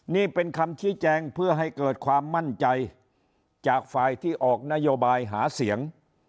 นี่เป็นคำชี้แจงเพื่อให้เกิดความมั่นใจจากฝ่ายที่ออกนโยบายหาเสียง